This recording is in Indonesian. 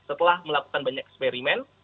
setelah melakukan banyak eksperimen